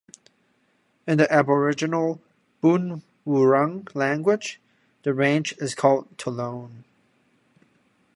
In the Aboriginal Boonwurrung language, the range is called Tolone.